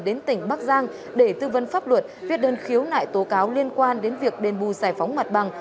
đến tỉnh bắc giang để tư vấn pháp luật viết đơn khiếu nại tố cáo liên quan đến việc đền bù giải phóng mặt bằng